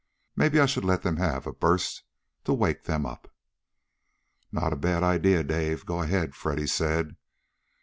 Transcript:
Maybe I should let them have a burst to wake them up!" "Not a bad idea, Dave; go ahead," Freddy said.